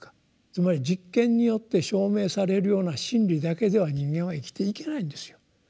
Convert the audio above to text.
つまり実験によって証明されるような真理だけでは人間は生きていけないんですよ。